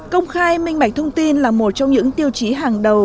công khai minh bạch thông tin là một trong những tiêu chí hàng đầu